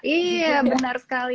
iya benar sekali